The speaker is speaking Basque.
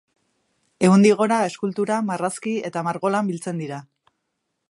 Ehundik gora eskultura, marrazki eta margo lan biltzen dira.